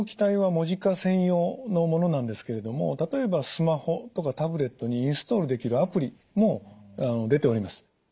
専用のものなんですけれども例えばスマホとかタブレットにインストールできるアプリも出ております。